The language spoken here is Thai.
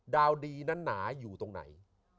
ดาวดีนั้นหนาอยู่ตรงไหน